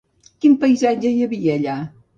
Quin paisatge hi havia allà?